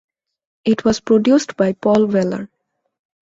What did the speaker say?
It was produced by Paul Weller.